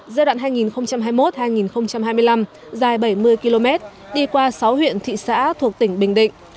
giai đoạn hai nghìn hai mươi một hai nghìn hai mươi năm dài bảy mươi km đi qua sáu huyện thị xã thuộc tỉnh bình định